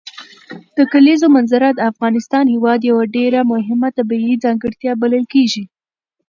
د کلیزو منظره د افغانستان هېواد یوه ډېره مهمه طبیعي ځانګړتیا بلل کېږي.